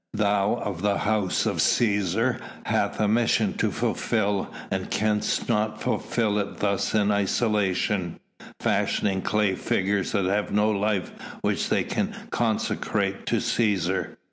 Thou of the House of Cæsar hast a mission to fulfil and canst not fulfil it thus in isolation, fashioning clay figures that have no life which they can consecrate to Cæsar.